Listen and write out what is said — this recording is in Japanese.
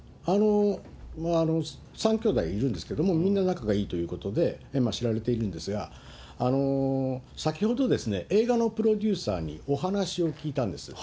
３兄弟いるんですけれども、みんな仲がいいということで知られているんですが、先ほどですね、映画のプロデューサーにお話を聞いたんです。